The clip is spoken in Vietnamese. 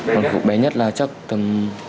một phút bé nhất là chắc tầm